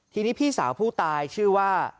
ทีนี้พี่สาวผู้ตายชื่อว่า